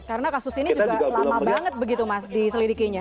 karena kasus ini juga lama banget begitu mas di selidikinya